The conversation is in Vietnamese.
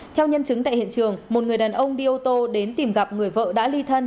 theo nhân chứng tại hiện trường một người đàn ông đi ô tô đến tìm gặp người vợ đã ly thân